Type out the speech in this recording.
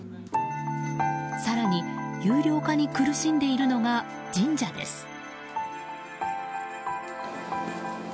更に有料化に苦しんでいるのが神社です。